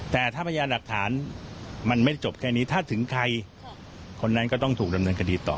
แต่ถ้าพยานหลักฐานมันไม่จบแค่นี้ถ้าถึงใครคนนั้นก็ต้องถูกดำเนินคดีต่อ